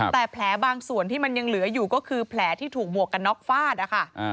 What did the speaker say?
แต่แผลบางส่วนที่มันยังเหลืออยู่ก็คือแผลที่ถูกหมวกกันน็อกฟาดนะคะ